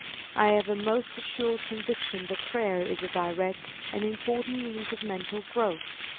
I have a most assured conviction that prayer is a direct and important means of mental growth.